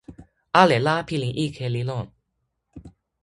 ale la pilin ike li lon.